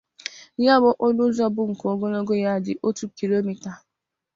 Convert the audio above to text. Ya bụ okporo ụzọ bụ nke ogologo ya dị otu kilomita